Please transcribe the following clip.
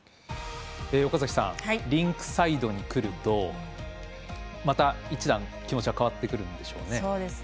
リンクサイドに来るとまた一段、気持ちが変わってくるんでしょうね。